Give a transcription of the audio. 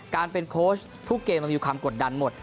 การเป็นโค้ชทุกเกมมันมีความกดดันหมด